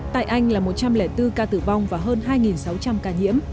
tại anh là một trăm linh bốn ca tử vong và hơn hai sáu trăm linh ca nhiễm